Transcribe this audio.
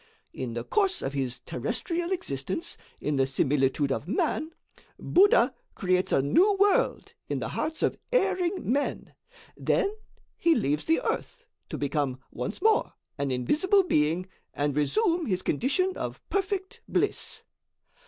In the course of his terrestrial existence in the similitude of man, Buddha creates a new world in the hearts of erring men; then he leaves the earth, to become once more an invisible being and resume his condition of perfect bliss.